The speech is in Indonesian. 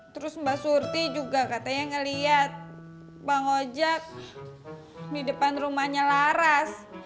terus mbak surti juga katanya ngeliat bang ojek di depan rumahnya laras